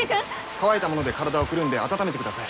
乾いたもので体をくるんで温めてください。